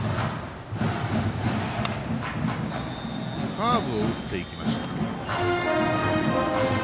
カーブを打っていきました。